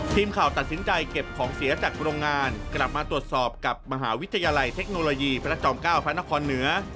ตัดสินใจเก็บของเสียจากโรงงานกลับมาตรวจสอบกับมหาวิทยาลัยเทคโนโลยีพระจอม๙พระนครเหนือ